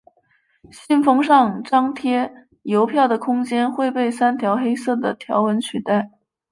信封上张贴邮票的空间会被三条黑色的条纹取代。